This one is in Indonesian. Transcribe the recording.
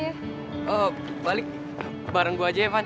eeeh balik bareng gue aja ya van